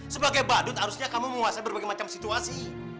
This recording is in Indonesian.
sebagai badut harusnya kamu menguasai berbagai macam situasi